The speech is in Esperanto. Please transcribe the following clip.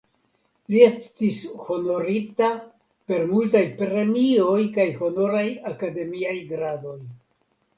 Li estis honorita per multaj premioj kaj honoraj akademiaj gradoj.